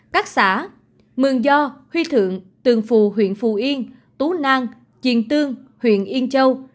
các xã mường do huy thượng tường phù huyện phù yên tú nang chiền tương huyện yên châu